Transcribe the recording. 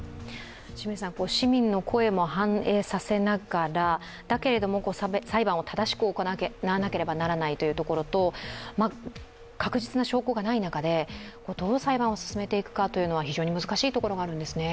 市民の声も反映させながら、だけれども裁判を正しく行わなければならないというところと確実な証拠がない中でどう裁判を進めていくかは非常に難しいところがあるんですね。